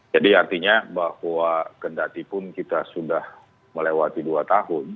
jadi artinya bahwa kendatipun kita sudah melewati dua tahun